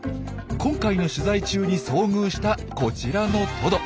今回の取材中に遭遇したこちらのトド。